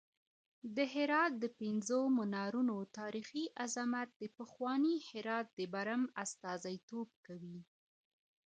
د هرات د پنځو منارونو تاریخي عظمت د پخواني هرات د برم استازیتوب کوي.